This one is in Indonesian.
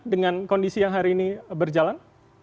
dengan kondisi yang hari ini berjalan